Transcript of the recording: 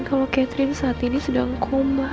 kalau catherine saat ini sedang koma